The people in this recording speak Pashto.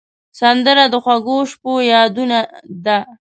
سندره د خوږو شپو یادونه ده